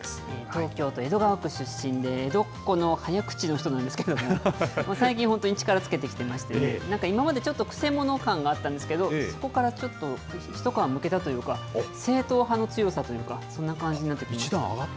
東京都江戸川区出身で、江戸っ子の早口の人なんですけれども、最近、本当に力をつけてきてまして、なんか今までちょっとくせ者感があったんですけど、そこからちょっと一皮むけたというか、正統派の強さというか、そんな感じになってきました。